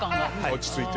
落ち着いてる。